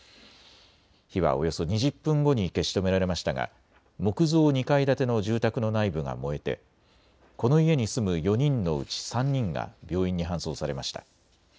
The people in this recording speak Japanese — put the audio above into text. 火はおよそ２０分後に消し止められましたが木造２階建ての住宅の内部が燃えてこの家に住む４人のうち３人が病院に搬送されました。